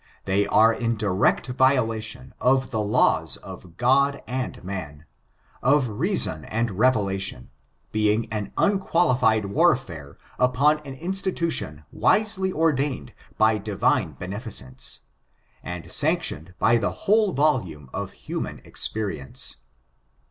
They are in direct violation of the laws of God and man, of reason and revelation, being an unqualified warfare upon an institution wisely ordained by Divine benefi ^^^^^^%^^^%^^^^#%^^^^^^^^ 464 STRICTU&BS cence, and sanctioned by the whole yolome of human experience.